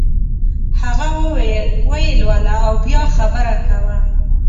هغه وویل ویې لوله او بیا خبره کوه.